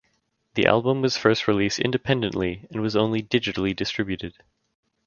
The album was first released independently and was only digitally distributed.